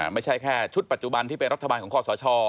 ไม่ใช่แค่ชุดปัจจุบันที่เป็นรัฐบาลของคอสช